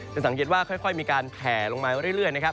สังเกตว่าค่อยมีการแผลลงมาเรื่อยนะครับ